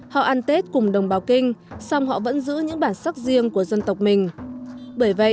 họ ăn tết cùng đồng bào kinh xong họ vẫn giữ những bản sắc riêng của dân tộc mình